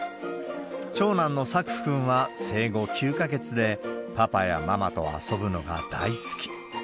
長男の嵯久くんは生後９か月で、パパやママと遊ぶのが大好き。